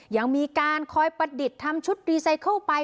ยังมีการคอยประดิษฐ์ทำชุดรีไซเคิลไป